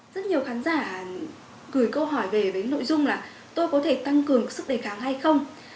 rất nhiều khán giả gửi câu hỏi về với nội dung là tôi có thể tăng cường sức đề kháng hay không